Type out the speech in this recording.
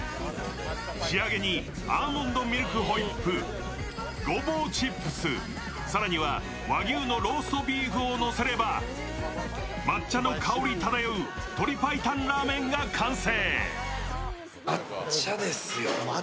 仕上げにアーモンドミルクホイップ、ごぼうチップス、更には和牛のローストビーフをのせれば、抹茶の香り漂う鶏白湯ラーメンが完成。